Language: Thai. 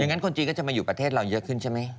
งั้นคนจีนก็จะมาอยู่ประเทศเราเยอะขึ้นใช่ไหม